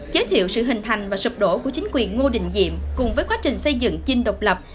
giới thiệu sự hình thành và sụp đổ của chính quyền ngô đình diệm cùng với quá trình xây dựng dinh độc lập